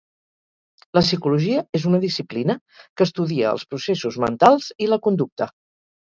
La psicologia és una disciplina que estudia els processos mentals i la conducta.